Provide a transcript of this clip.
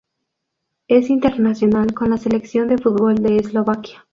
Es internacional con la selección de fútbol de Eslovaquia.